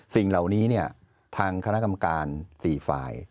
สิ่งเหล่านี้ทางคณะกรรมการ๔ฝ่าย